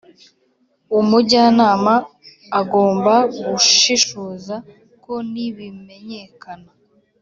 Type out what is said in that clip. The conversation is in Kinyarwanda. umujyanama agomba gushishoza ko nibimenyekana